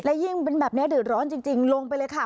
ยิ่งเป็นแบบนี้เดือดร้อนจริงลงไปเลยค่ะ